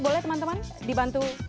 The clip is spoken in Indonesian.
boleh teman teman dibantu